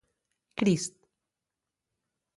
Crist.